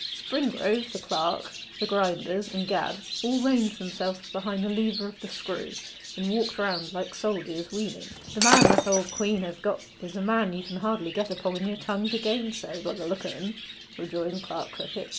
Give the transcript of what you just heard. Springrove, the clerk, the grinders, and Gad, all ranged themselves behind the lever of the screw, and walked round like soldiers wheeling. 'The man that the old quean hev got is a man you can hardly get upon your tongue to gainsay, by the look o' en,' rejoined Clerk Crickett.